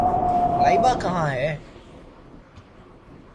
لائبہ کہاں ہے؟